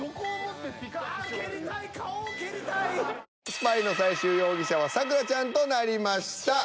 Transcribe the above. スパイの最終容疑者は咲楽ちゃんとなりました。